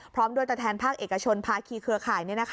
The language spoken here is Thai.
พร้อมด้วยตัวแทนภาคเอกชนภาคีเครือข่าย